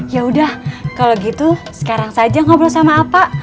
yaudah kalau gitu sekarang saja ngobrol sama apa